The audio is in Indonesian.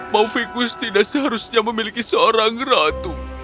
mauvikus tidak seharusnya memiliki seorang ratu